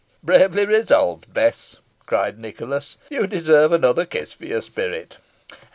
"Bravely resolved, Bess," cried Nicholas. "You deserve another kiss for your spirit."